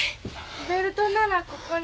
ベルトならここに。